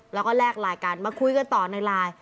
แล้วก็แลกไลน์กันมาคุยกันต่อในไลน์